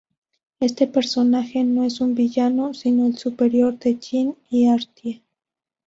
Este personaje no es un villano sino el superior de Jim y Artie.